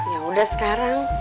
ya udah sekarang